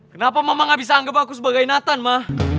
kenapa mama gak bisa anggap aku sebagai nathan mah